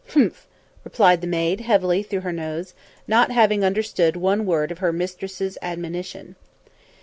"Humff!" replied the maid heavily through her nose, not having understood one word of her mistress's admonition.